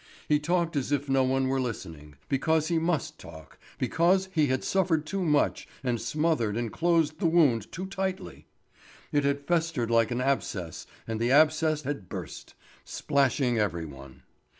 He talked as if no one were listening, because he must talk, because he had suffered too much and smothered and closed the wound too tightly. It had festered like an abscess and the abscess had burst, splashing every one.